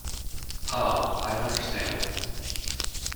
Ah – I understand!